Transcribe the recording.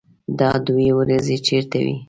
_دا دوې ورځې چېرته وې؟